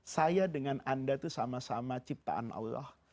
saya dengan anda itu sama sama ciptaan allah